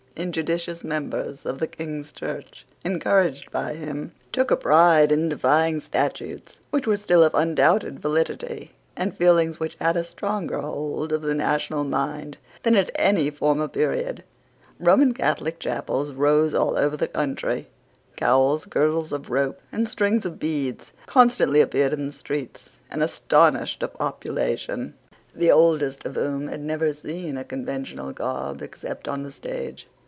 Injudicious members of the King's Church, encouraged by him, took a pride in defying statutes which were still of undoubted validity, and feelings which had a stronger hold of the national mind than at any former period. Roman Catholic chapels rose all over the country. Cowls, girdles of ropes, and strings of beads constantly appeared in the streets, and astonished a population, the oldest of whom had never seen a conventual garb except on the stage.